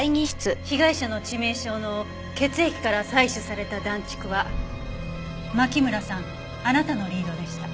被害者の致命傷の血液から採取された暖竹は牧村さんあなたのリードでした。